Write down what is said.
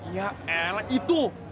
ya elah itu